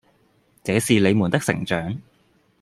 這是你們的成長